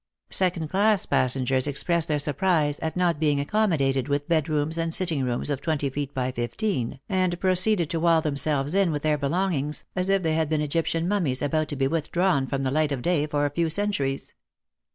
Second class passengers expressed their surprise at not being accommodated with bed rooms and sitting rooms of twenty feet by fifteen, and proceeded to wall themselves in with their belongings, as if they had been Egyp tian mummies about to be withdrawn from the light of day for a few centuries.